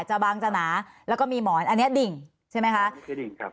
บางจะหนาแล้วก็มีหมอนอันนี้ดิ่งใช่ไหมคะจะดิ่งครับ